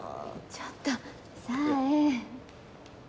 ちょっとさえ。